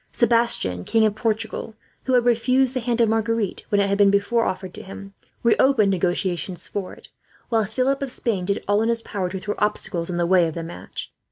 Sebastian, King of Portugal, who had refused the hand of Marguerite when it had before been offered to him, reopened negotiations for it; while Philip of Spain did all in his power to throw obstacles in the way of the match.